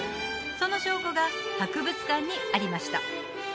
その証拠が博物館にありました